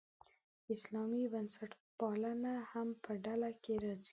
اسلامي بنسټپالنه هم په ډله کې راځي.